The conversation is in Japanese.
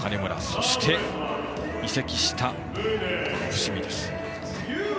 そして移籍した伏見です。